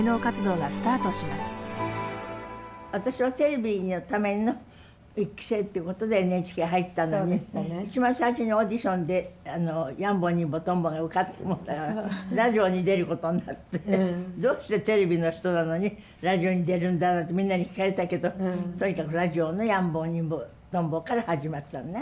私はテレビのための１期生っていうことでＮＨＫ入ったのに一番最初にオーディションで「やん坊にん坊とん坊」が受かったもんだからラジオに出ることになってどうしてテレビの人なのにラジオに出るんだなんてみんなに聞かれたけどとにかくラジオの「やん坊にん坊とん坊」から始まったのね